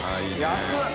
安い！